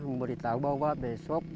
memberitahu bahwa besok